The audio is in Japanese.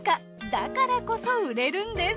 だからこそ売れるんです。